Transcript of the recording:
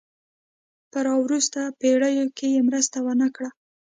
په را وروسته پېړیو کې یې مرسته ونه کړه.